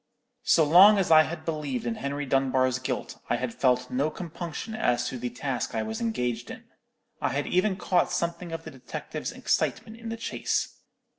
So long as I had believed in Henry Dunbar's guilt, I had felt no compunction as to the task I was engaged in. I had even caught something of the detective's excitement in the chase.